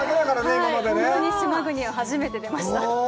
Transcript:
本当に島国を初めて出ました。